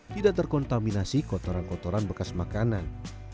tidak terkontaminasi kotoran kotoran bekas makanan